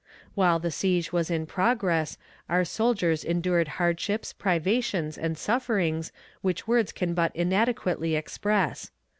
While the siege was in progress our soldiers endured hardships, privations and sufferings which words can but inadequately express.